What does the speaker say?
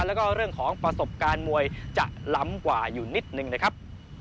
แล้วก็เรื่องของประสบการณ์มวยจะล้ำกว่าอยู่นิดนึงนะครับ